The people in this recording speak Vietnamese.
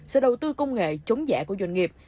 sự đầu tư công nghệ chống dẻ của doanh nghiệp